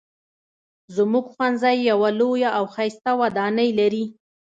زموږ ښوونځی یوه لویه او ښایسته ودانۍ لري